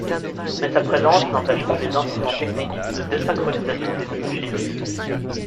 Mais sa présence n'empêche pas les incidents techniques de désynchronisation des deux machines.